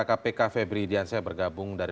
kpk febri diansyah bergabung dari